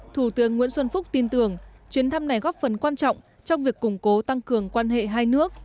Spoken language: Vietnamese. thủ tướng nguyễn xuân phúc tin tưởng chuyến thăm này góp phần quan trọng trong việc củng cố tăng cường quan hệ hai nước